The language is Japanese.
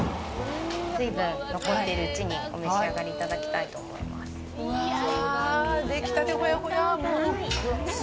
水分残ってるうちにお召し上がりいただきたいと思います。